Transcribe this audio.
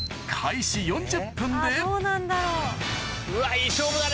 いい勝負だね！